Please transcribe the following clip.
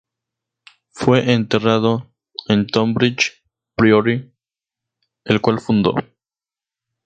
Fue enterrado en Tonbridge Priory, el cual fundó.